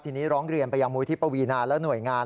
ทีนี้ร้องเรียนไปยังมูลที่ปวีนาและหน่วยงาน